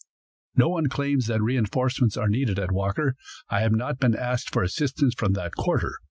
_ "No one claims that reinforcements are needed at Walker. I have not been asked for assistance from that quarter.